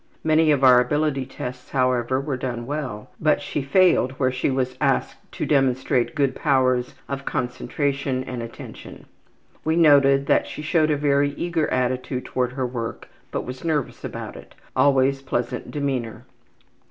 Many of our ability tests, however, were done well, but she failed where she was asked to demonstrate good powers of concentration and attention. We noted that she showed a very eager attitude toward her work, but was nervous about it. Always pleasant demeanor.